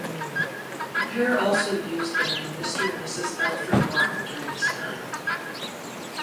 The pair also used the name Mr. and Mrs. Alfred Martin during this time.